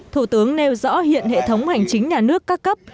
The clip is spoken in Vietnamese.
thủ tướng nêu rõ hiện hệ thống hành chính nhà nước ca cấp